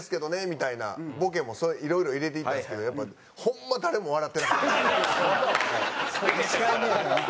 みたいなボケもいろいろ入れていったんですけどやっぱホンマ１回目やから。